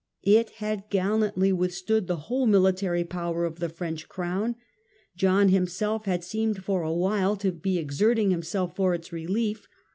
It had gallantly withstood the whole military power of the French crown. John himself had seemed for a while to be exerting himself for its relief.